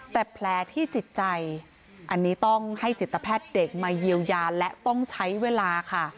แต่แผลที่จิตใจอันนี้ต้องให้จิตแพทย์เด็กมาเยียวยาและต้องใช้เวลาค่ะ